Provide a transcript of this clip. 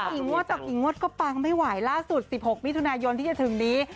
กี่งวดต่อกี่งวดก็ปังไม่ไหวล่าสุด๑๖มิถุนายนที่จะถึงนี้